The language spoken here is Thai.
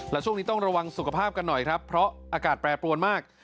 และช่วงนี้ต้องระวังสุขภาพกันหน่อยครับเพราะอากาศแปรปรวนมาก